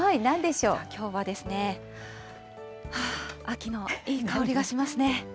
きょうはですね、はぁ、秋のいい香りがしますね。